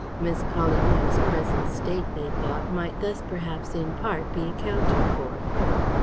Miss Callingham's present state, they thought, might thus perhaps in part be accounted for.